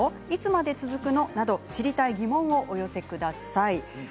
いつまで続くの？など知りたい疑問をお寄せください。